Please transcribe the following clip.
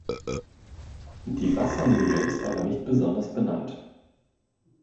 Die Wassermühle ist aber nicht besonders benannt.